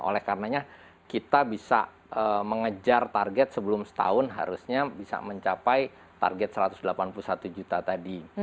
oleh karenanya kita bisa mengejar target sebelum setahun harusnya bisa mencapai target satu ratus delapan puluh satu juta tadi